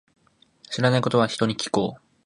知らないことは、人に聞こう。